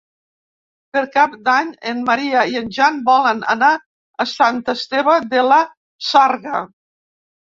Per Cap d'Any en Maria i en Jan volen anar a Sant Esteve de la Sarga.